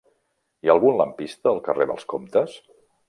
Hi ha algun lampista al carrer dels Comtes?